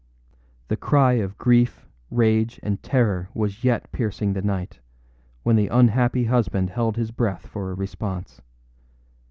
The cry of grief, rage, and terror was yet piercing the night, when the unhappy husband held his breath for a response.